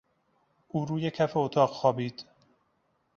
او روی کف اتاق خوابید.